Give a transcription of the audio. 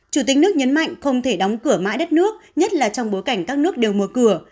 chủ tịch nước nhấn mạnh không thể đóng cửa mãi đất nước nhất là trong bối cảnh các nước đều mở cửa